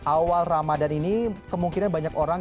awal ramadhan ini kemungkinan banyak orang